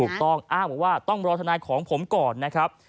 ถูกต้องอ้าวว่าต้องร้อนทนายของผมก่อนนะครับ